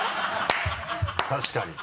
確かに。